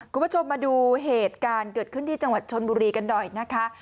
คุณผู้ชมมาดูเหตุการณ์เกิดขึ้นที่จังหวัดชนบุรีกันหน่อยนะคะ